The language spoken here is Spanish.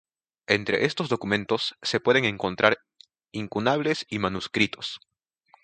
Entre estos documentos se pueden encontrar incunables y manuscritos.